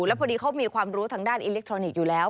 แล้วพอดีเขามีความรู้ทางด้านอิเล็กทรอนิกส์อยู่แล้ว